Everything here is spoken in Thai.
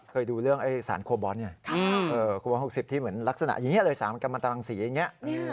เคยดูเรื่องสารโควบอธคุณภาค๖๐ที่เหมือนลักษณะ๓มันตราง๔อย่างนี้